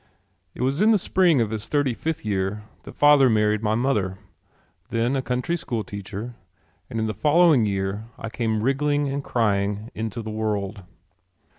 It was in the spring of his thirty fifth year that father married my mother, then a country school teacher, and in the following spring I came wriggling and crying into the world.